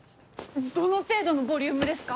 どの程度のボリュームですか？